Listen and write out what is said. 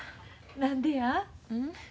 何でや？